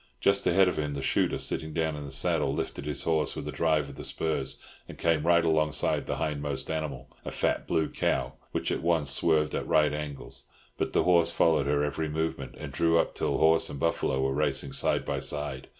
Just ahead of him the shooter, sitting down in his saddle, lifted his horse with a drive of the spurs, and came right alongside the hindmost animal, a fat blue cow, which at once swerved at right angles; but the horse followed her every movement, and drew up till horse and buffalo were racing side by side.